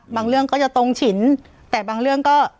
เรื่องก็จะตรงฉินแต่บางเรื่องก็